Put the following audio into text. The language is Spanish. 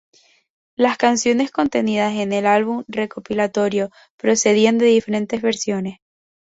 Las canciones contenidas en el álbum recopilatorio procedían de diferentes versiones.